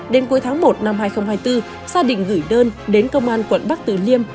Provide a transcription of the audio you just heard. đến cuối tháng một năm hai nghìn hai mươi bốn gia đình gửi đơn đến công an quận bắc tử liêm